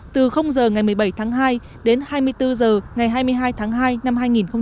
từ giờ ngày một mươi bảy tháng hai đến hai mươi bốn giờ ngày hai mươi hai tháng hai năm hai nghìn một mươi chín